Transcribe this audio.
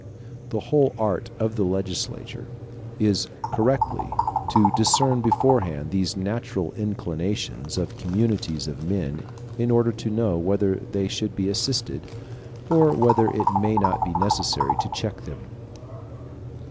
The whole art of the legislator is correctly to discern beforehand these natural inclinations of communities of men, in order to know whether they should be assisted, or whether it may not be necessary to check them.